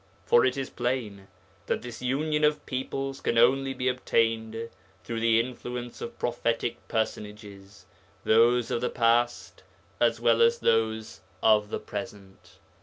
For it is plain that this union of peoples can only be obtained through the influence of prophetic personages, those of the past as well as those of the present.